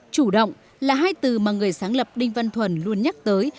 chủ động là hai từ mà người sáng lập đinh văn thuần luôn nhắc tới